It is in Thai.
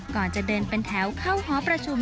ก่อนจะเดินเป็นแถวเข้าหอประชุม